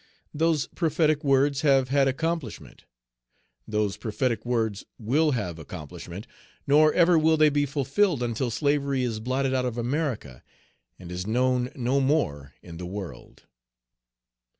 Those prophetic words have had accomplishment; those prophetic Page 232 words will have accomplishment; nor ever will they be fulfilled until slavery is blotted out of America, and is known no more in the world.